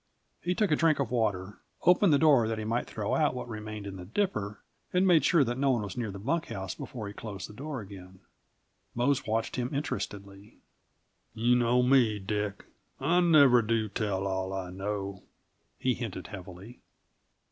He took a drink of water, opened the door that he might throw out what remained in the dipper, and made sure that no one was near the bunk house before he closed the door again. Mose watched him interestedly. "You know me, Dick I never do tell all I know," he hinted heavily.